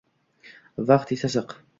Vaqt esa ziq